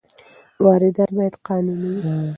واردات باید قانوني وي.